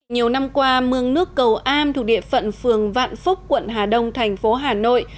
nhiều năm qua mương nước cầu am thuộc địa phận phường vạn phúc quận hà đông thành phố hà nội